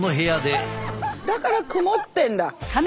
だから曇ってんだ。